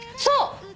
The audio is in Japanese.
そう！